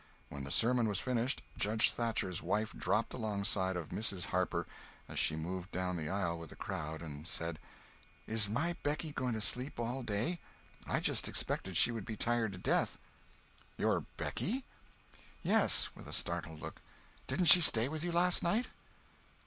When the sermon was finished, Judge Thatcher's wife dropped alongside of Mrs. Harper as she moved down the aisle with the crowd and said: "Is my Becky going to sleep all day? I just expected she would be tired to death." "Your Becky?" "Yes," with a startled look—"didn't she stay with you last night?"